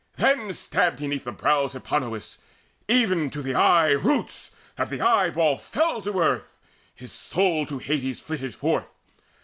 Then stabbed he 'neath the brow Hipponous Even to the eye roots, that the eyeball fell To earth: his soul to Hades flitted forth.